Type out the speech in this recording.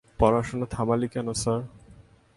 পড়াশোনা থামালি কেন, স্যার?